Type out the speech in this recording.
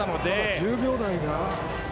１０秒台が。